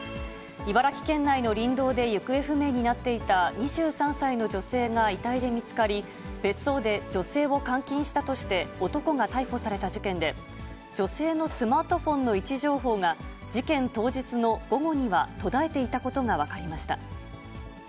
茨城県内の林道で行方不明になっていた２３歳の女性が遺体で見つかり、別荘で女性を監禁したとして、男が逮捕された事件で、女性のスマートフォンの位置情報が、事件当日の午後には途絶えていたことが分かりました。